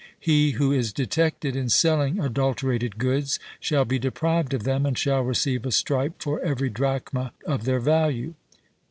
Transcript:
He who is detected in selling adulterated goods shall be deprived of them, and shall receive a stripe for every drachma of their value.